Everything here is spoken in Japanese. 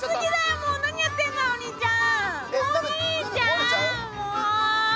もうお兄ちゃん！